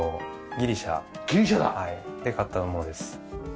ギリシャだ！で買った物です。